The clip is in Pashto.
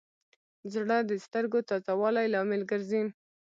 • ژړا د سترګو تازه والي لامل ګرځي.